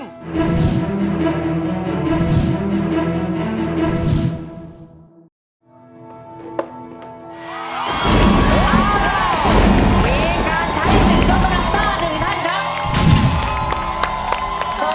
มีการใช้สินยกกำลังซ่าหนึ่งท่านครับ